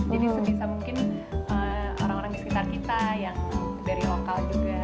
jadi sebisa mungkin orang orang di sekitar kita yang dari lokal juga